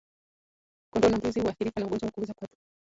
Kondoo na mbuzi huathirika na ugonjwa wa kuoza kwato